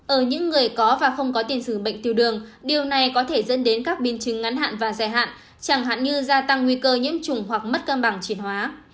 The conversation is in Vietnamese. ở những người có và không có tiền sử bệnh tiểu đường điều này có thể dẫn đến các biến chứng ngắn hạn và dài hạn chẳng hạn như gia tăng nguy cơ nhiễm trùng hoặc mất cân bằng chuyển hóa